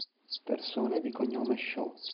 Persone di cognome Shaw